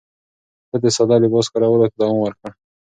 ده د ساده لباس کارولو ته دوام ورکړ.